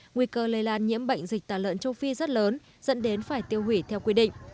nguy cơ lây lan nhiễm bệnh dịch tả lợn châu phi rất lớn dẫn đến phải tiêu hủy theo quy định